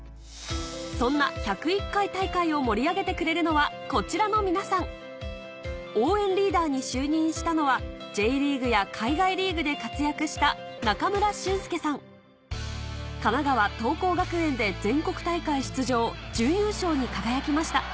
そんな１０１回大会を盛り上げてくれるのはこちらの皆さん応援リーダーに就任したのはＪリーグや海外リーグで活躍したで全国大会出場準優勝に輝きました